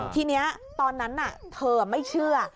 ทีนี้ตอนนั้นเธอไม่เชื่อ